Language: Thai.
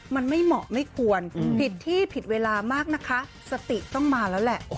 มันไม่เหมาะไม่ควรผิดที่ผิดเวลามากนะคะสติต้องมาแล้วแหละ